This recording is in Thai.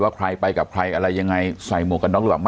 ใครไปกับใครอะไรยังไงใส่หมวกกันน็อกหรือเปล่า